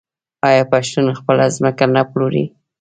آیا پښتون خپله ځمکه نه پلوري؟